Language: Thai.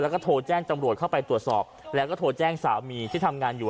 แล้วก็โทรแจ้งจำรวจเข้าไปตรวจสอบแล้วก็โทรแจ้งสามีที่ทำงานอยู่